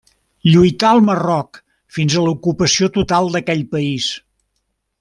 Lluità al Marroc fins a l'ocupació total d'aquell país.